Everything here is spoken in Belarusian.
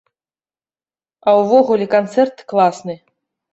А ўвогуле, канцэрт класны.